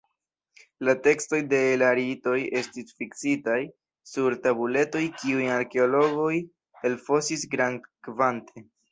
La tekstoj de la ritoj estis fiksitaj sur tabuletoj kiujn arkeologoj elfosis grandkvante.